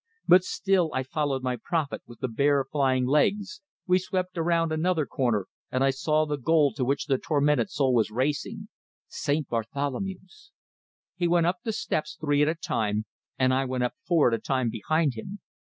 But still I followed my prophet with the bare flying legs; we swept around another corner, and I saw the goal to which the tormented soul was racing St. Bartholomew's! He went up the steps three at a time, and I went up four at a time behind him.